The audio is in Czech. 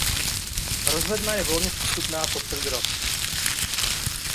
Rozhledna je volně přístupná po celý rok.